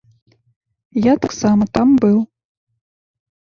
Я таксама там быў.